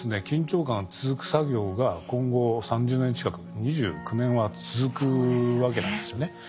緊張感が続く作業が今後３０年近く２９年は続くわけなんですよね。